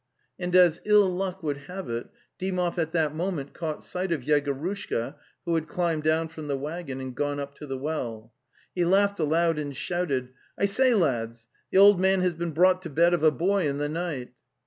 And as ill luck would have it, Dymov at that moment caught sight of Yegorushka, who had climbed down from the waggon and gone up to the well. He laughed aloud and shouted: '""T say, lads, the old man has been brought to bed of a boy in the night!"